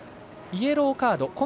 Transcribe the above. イエローカード